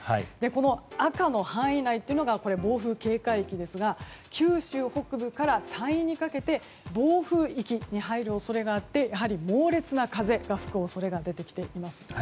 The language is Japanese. この赤の範囲内というのが暴風警戒域ですが九州北部から山陰にかけて暴風域に入る恐れがあってやはり猛烈な風が吹く恐れが出てきています。